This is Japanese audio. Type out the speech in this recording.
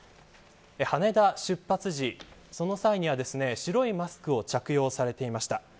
羽田出発時その際には白いマスクを着用されていました。